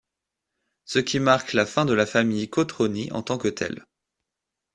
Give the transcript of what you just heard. Ce qui marque la fin de la famille Cotroni en tant que telle.